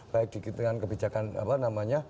baik di tingkatan kebijakan